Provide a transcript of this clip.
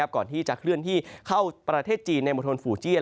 ก่อนที่จะเคลื่อนที่เข้าประเทศจีนในมณฑลฝูเจียน